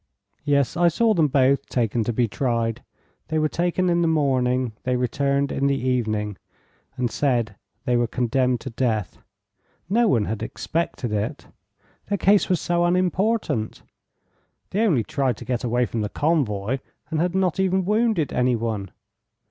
Yes. I saw them both taken to be tried. They were taken in the morning. They returned in the evening, and said they were condemned to death. No one had expected it. Their case was so unimportant; they only tried to get away from the convoy, and had not even wounded any one.